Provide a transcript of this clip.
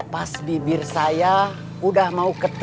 pas bibir saya udah mau ketemu